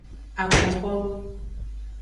Akpoxonu.